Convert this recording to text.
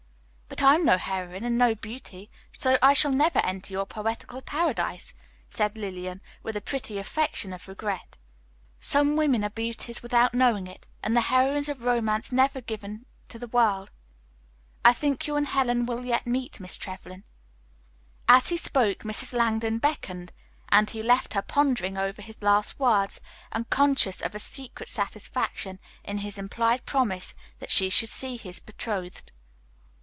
"But I'm no heroine and no beauty, so I shall never enter your poetical paradise," said Lillian, with a pretty affectation of regret. "Some women are beauties without knowing it, and the heroines of romances never given to the world. I think you and Helen will yet meet, Miss Trevlyn." As he spoke, Mrs. Langdon beckoned, and he left her pondering over his last words, and conscious of a secret satisfaction in his implied promise that she should see his betrothed.